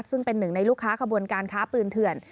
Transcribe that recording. ซึ่งเป็นหนึ่งในลูกค้าขบวนการค้าปืนเถื่อน